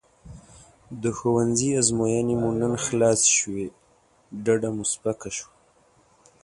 د ښوونځي ازموینې مو نن خلاصې شوې ډډه مې سپکه شوه.